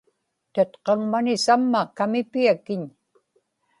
tatqaŋmami samma kamipiakiñ